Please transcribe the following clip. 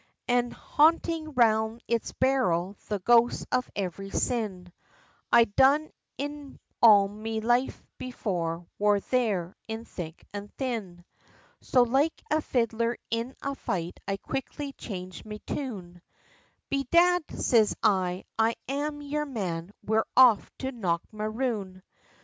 An' hauntin' round its barrel, the ghosts of every sin, I done in all me life before, wor there, in thick an' thin! So like a fiddler in a fight I quickly changed me tune, "Bedad!" siz I, "It's I'm yer man, we're off to Knockmaroon."